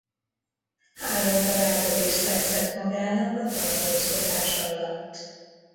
Három barátot is szerzett magának a tartózkodása alatt.